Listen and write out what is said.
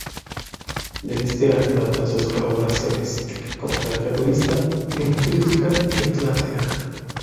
De este año datan sus colaboraciones, como caricaturista, en Crítica y Atlántida.